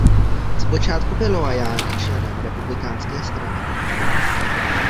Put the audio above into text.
Zpočátku byl loajální členem republikánské strany.